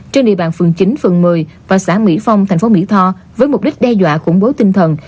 trên địa bàn phường chín phường một mươi và xã mỹ phong thành phố mỹ tho với mục đích đe dọa khủng bố tinh thần